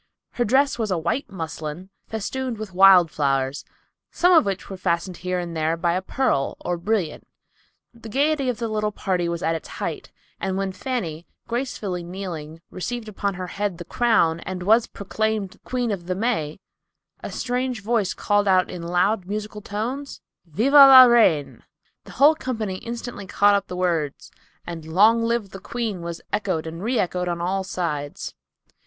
Her dress was a white muslin, festooned with wild flowers, some of which were fastened here and there by a pearl or brilliant. The gayety of the little party was at its height, and when Fanny, gracefully kneeling, received upon her head the crown, and was proclaimed "Queen of the May," a strange voice called out in loud, musical tones, "Viva la Reine." The whole company instantly caught up the words, and "Long live the Queen" was echoed and re echoed on all sides.